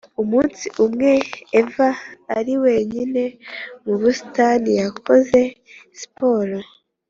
Umunsi umwe eva ari wenyine mu busitani yakoze siporo